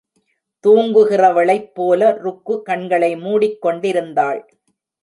தூங்குகிறவளைப் போல ருக்கு கண்களை மூடிக் கொண்டிருந்தாள்.